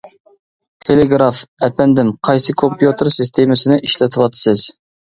تېلېگراف: ئەپەندىم، قايسى كومپيۇتېر سىستېمىسىنى ئىشلىتىۋاتىسىز.